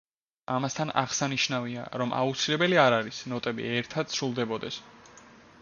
ამასთან აღსანიშნავია, რომ აუცილებელი არ არის, ნოტები ერთად სრულდებოდეს.